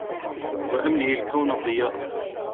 واملئــــي الكــــونَ الضيــــــــاء